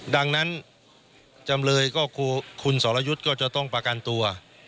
ดังนั้นจำเลยก็คือคุณสรยุทธ์ก็จะต้องประกันตัว